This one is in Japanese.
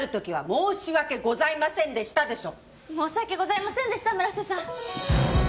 申し訳ございませんでした村瀬さん。